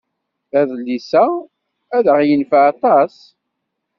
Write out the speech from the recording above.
Adlis-a ad aɣ-yenfeɛ aṭas.